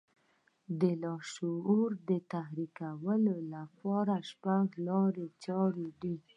د لاشعور د تحريکولو لپاره شپږ لارې چارې دي.